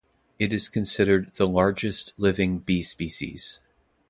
It is considered the largest living bee species.